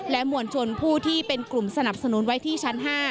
มวลชนผู้ที่เป็นกลุ่มสนับสนุนไว้ที่ชั้น๕